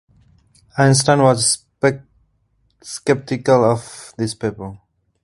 Einstein was skeptical of this paper.